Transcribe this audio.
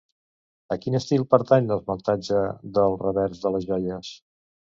A quin estil pertany l'esmaltatge del revers de les joies?